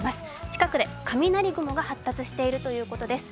近くで雷雲が発達しているということです。